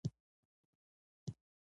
د مور او پلار خدمت د جنت کیلي ده.